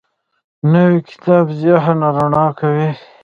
نوی کتاب ذهن رڼا کوي